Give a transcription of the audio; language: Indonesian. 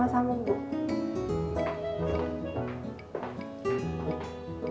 ya udah kalau gitu kita ke kantin aja sekarang